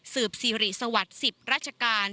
สืบสิริสวรรค์๑๐ราชการ